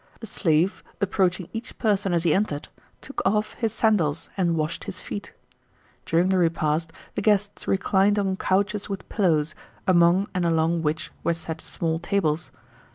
A slave, approaching each person as he entered, took off his sandals and washed his feet. During the repast, the guests reclined on couches with pillows, among and along which were set small tables.